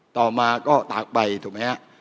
ต่อมาก็ตากใบถูกไหมครับ